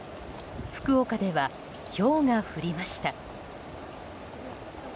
福岡では、ひょうが降りました。